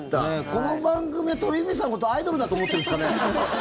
この番組は鳥海さんのことをアイドルだと思ってるんですかね？